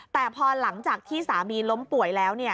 แต่พอหลังจากที่สามีล้มป่วยแล้ว